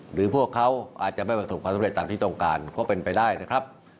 หรือพวกเขาอาจจะไม่ประสบความสำเร็จตามที่ต้องการก็เป็นไปได้นะครับ